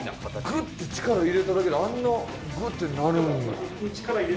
グッて力入れただけであんなグッてなるんや。